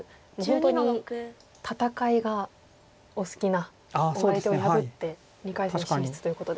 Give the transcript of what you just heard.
本当に戦いがお好きなお相手を破って２回戦進出ということで。